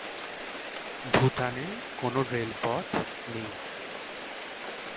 ভুটানে কোনো রেলপথ নেই।